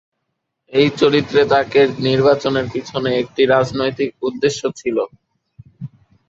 এই চরিত্রে তাঁকে নির্বাচনের পিছনে একটি রাজনৈতিক উদ্দেশ্য ছিল।